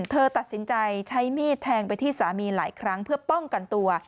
เธอตัดสินใจใช้มีดแทงไปที่สามีหลายครั้งเพื่อป้องกันตัว